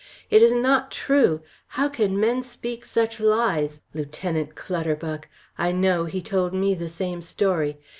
"It is not true! How can men speak such lies? Lieutenant Clutterbuck! I know he told me the same story.